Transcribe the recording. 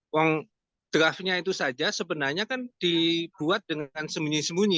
uang draftnya itu saja sebenarnya kan dibuat dengan sembunyi sembunyi